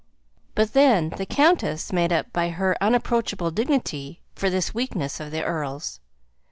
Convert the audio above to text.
But, then, the countess made up by her unapproachable dignity for this weakness of the earl's.